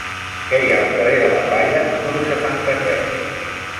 Què hi ha al carrer de la Palla número setanta-tres?